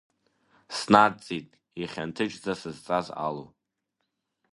Снаҵҵит ихьанҭыџьӡа сызҵаз алу.